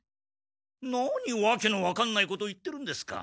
何わけのわかんないこと言ってるんですか。